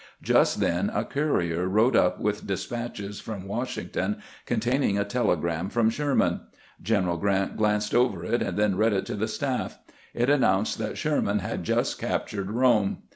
Just then a courier rode up with despatches from Washington containing a telegram from Sherman. General Grant glanced over it, and then read it to the staff. It an nounced that Sherman had just captured Rome.